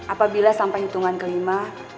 apabila sampai hitungan kelima